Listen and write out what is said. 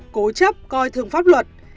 cố chấp coi thường pháp luật